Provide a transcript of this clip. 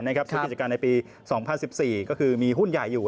ทุกกิจการในปี๒๐๑๔ก็คือมีหุ้นใหญ่อยู่